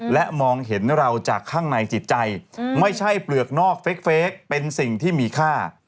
และมองเห็นเราจากข้างในจิตใจไม่ใช่เปลือกนอกเฟคเป็นสิ่งที่มีค่า